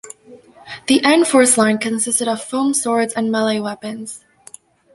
The N-Force line consisted of foam swords and melee weapons.